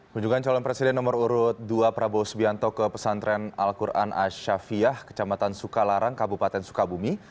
kunjungan calon presiden nomor urut dua prabowo subianto ke pesantren al quran ashafiyah kecamatan sukalarang kabupaten sukabumi